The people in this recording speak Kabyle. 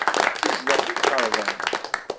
Yezdeɣ deg lqerban-a.